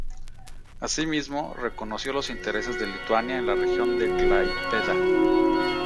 Asimismo, reconoció los intereses de Lituania en la región de Klaipėda.